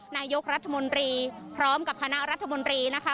นายกรัฐมนตรีพร้อมกับคณะรัฐมนตรีนะคะ